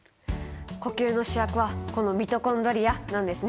呼吸の主役はこのミトコンドリアなんですね。